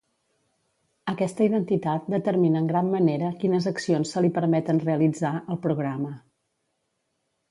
Aquesta identitat determina en gran manera quines accions se li permeten realitzar, al programa.